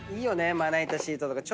まな板シートとか。